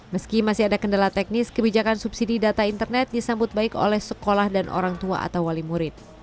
meski masih ada kendala teknis kebijakan subsidi data internet disambut baik oleh sekolah dan orang tua atau wali murid